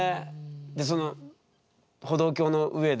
でその歩道橋の上で？